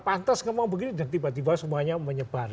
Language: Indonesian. antas kemau begini dan tiba tiba semuanya menyebar